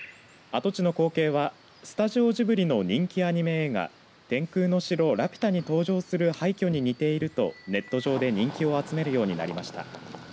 跡地の光景はスタジオジブリの人気アニメ映画天空の城ラピュタに登場する廃虚に似ているとネット上で人気を集めるようになりました。